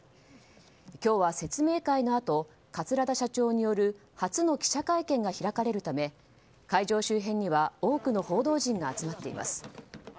今日は説明会のあと桂田社長による初の記者会見が開かれるため会場周辺には多くの報道陣が集まっています。